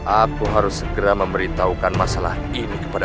aku harus segera memberitahukan masalah ini kepada